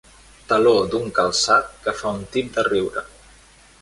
Taló d'un calçat que fa un tip de riure.